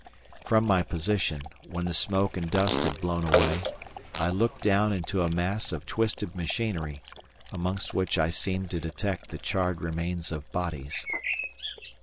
From my position, when the smoke and dust had blown away, I looked down into a mass of twisted machinery, amongst which I seemed to detect the charred remains of bodies.